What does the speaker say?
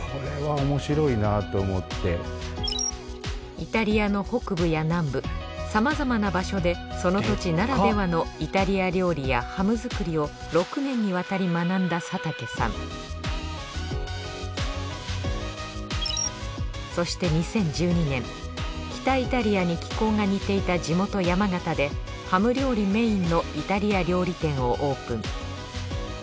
イタリアの北部や南部さまざまな場所でその土地ならではのイタリア料理やハム作りを６年にわたり学んだ佐竹さんそして２０１２年北イタリアに気候が似ていた地元山形でハム料理メインのイタリア料理店をオープン。